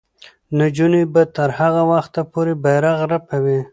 نجونې به تر هغه وخته پورې بیرغ رپوي.